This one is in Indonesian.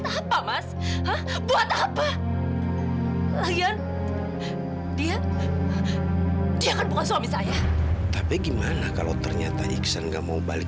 apa buat apa lagian dia dia bukan suami saya tapi gimana kalau ternyata ikhsan gak mau balik